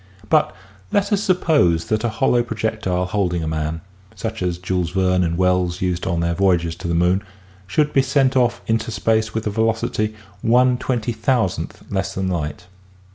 But let us suppose that a hollow projectile holding a man, such as Jules Verne and Wells used on their voyages to the moon, should be sent off into space with a velocity one twenty thousandth less than TURNING TIME BACKWARD 41 light.